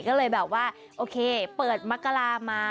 ก็เลยแบบว่าโอเคเปิดมกรามา